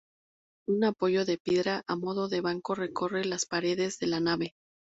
Un poyo de piedra a modo de banco recorre las paredes de la nave.